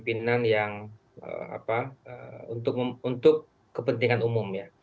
pemimpinan yang apa untuk untuk kepentingan umum ya